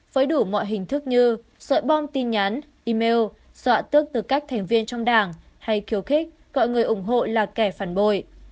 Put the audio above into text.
với đủ mọi hình thức như sợi bom tin nhắn email dọa tước tư cách thành viên trong đảng hay khiêu khích gọi người ủng hộ là kẻ phản bội